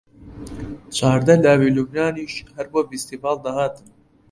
چاردە لاوی لوبنانیش هەر بۆ فستیواڵ دەهاتن